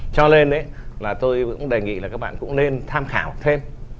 cho nên là tôi cũng đề nghị là các bạn cũng nên tham khảo thêm